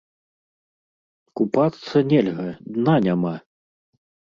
Купацца нельга, дна няма!